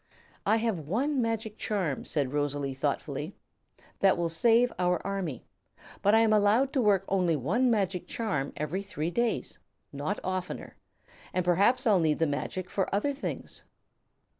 "I have one magic charm," said Rosalie, thoughtfully, "that will save our army; but I am allowed to work only one magic charm every three days not oftener and perhaps I'll need the magic for other things."